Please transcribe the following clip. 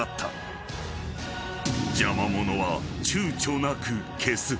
［邪魔者はちゅうちょなく消す］